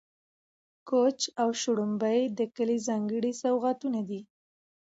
کوچ او شړومبې د کلي ځانګړي سوغاتونه دي.